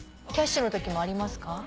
キャッシュのときもありますか？